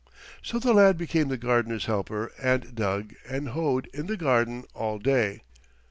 So the lad became the gardener's helper and dug and hoed in the garden all day.